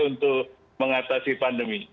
dan orang akan kaget